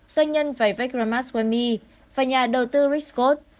doanh nhân vài vech ramaswamy và nhà đầu tư rick scott